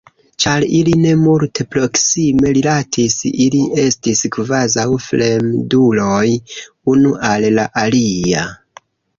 Ĉar ili ne multe proksime rilatis, ili estis kvazaŭ fremduloj unu al la alia.